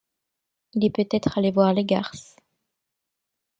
Il est peut-être allé voir les garces...